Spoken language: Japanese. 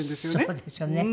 そうですよね。